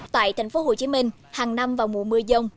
tại thành phố hồ chí minh hàng năm vào mùa mưa dông